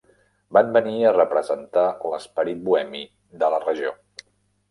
Van venir per representar l'esperit bohemi de la regió.